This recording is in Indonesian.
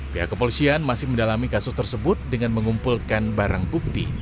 pihak kepolisian masih mendalami kasus tersebut dengan mengumpulkan barang bukti